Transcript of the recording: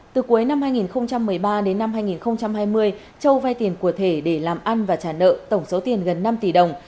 từ cuối năm hai nghìn một mươi ba đến năm hai nghìn hai mươi châu vay tiền của thể để làm ăn và trả nợ tổng số tiền gần năm tỷ đồng